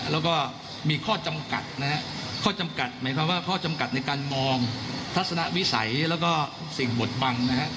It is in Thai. แล้วก็มีข้อจำกัดหมายความว่าข้อจำกัดในการมองทัศนวิสัยและสิ่งบทบัง